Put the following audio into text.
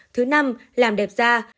thứ năm làm đẹp da